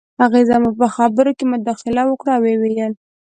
هغې زما په خبرو کې مداخله وکړه او وویې ویل